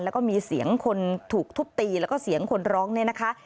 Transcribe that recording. แล้วก็มีเสียงคนถูกทุบตีแล้วก็เสียงคนร้องเนี่ยนะคะ